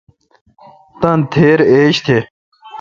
تان تھیر ایج تھ۔